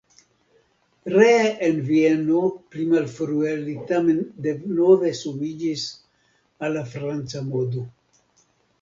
Ree en Vieno pli malfrue li tamen denove subiĝis al la franca modo.